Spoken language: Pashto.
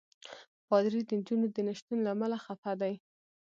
پادري د نجونو د نه شتون له امله خفه دی.